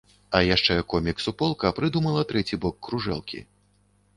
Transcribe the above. А яшчэ комік-суполка прыдумала трэці бок кружэлкі.